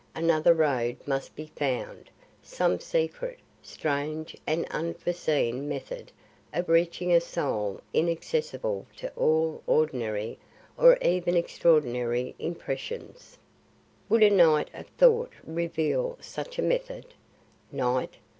Another road must be found; some secret, strange and unforeseen method of reaching a soul inaccessible to all ordinary or even extraordinary impressions. Would a night of thought reveal such a method? Night!